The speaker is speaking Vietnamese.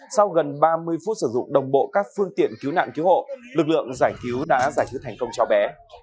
sau gần ba mươi phút sử dụng đồng bộ các phương tiện cứu nạn cứu hộ lực lượng giải cứu đã giải cứu thành công cháu bé